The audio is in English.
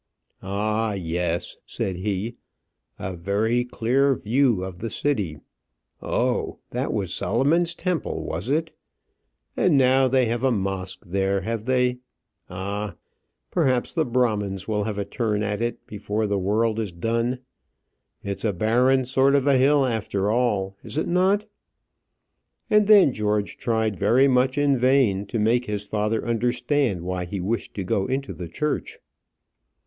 "Ah! yes," said he, "a very clear view of the city; oh, that was Solomon's temple, was it? And now they have a mosque there, have they? Ah! perhaps the Brahmins will have a turn at it before the world is done. It's a barren sort of hill after all, is it not?" And then George tried very much in vain to make his father understand why he wished to go into the church.